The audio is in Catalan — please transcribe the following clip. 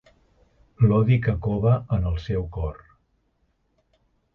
L'odi que cova en el seu cor.